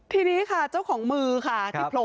ทีนี้ค่ะเจ้าของมือค่ะที่โผล่